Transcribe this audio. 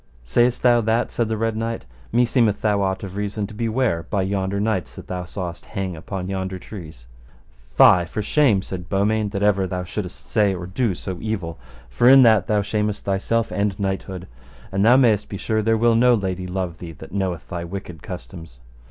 Sayst thou that? said the Red Knight, meseemeth thou ought of reason to be ware by yonder knights that thou sawest hang upon yonder trees. Fie for shame, said Beaumains, that ever thou shouldest say or do so evil, for in that thou shamest thyself and knighthood, and thou mayst be sure there will no lady love thee that knoweth thy wicked customs.